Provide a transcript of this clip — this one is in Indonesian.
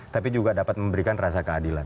tapi juga dapat memberikan rasa keadilan